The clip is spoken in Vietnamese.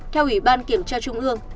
theo ủy ban kiểm tra trung ương